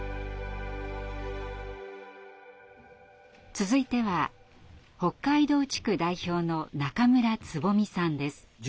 続いては北海道地区代表の中村蕾咲さんです。